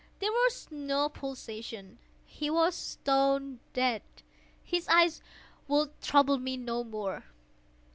There was no pulsation. He was stone dead. His eye would trouble me no more.